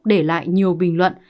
để lại nhiều bình luận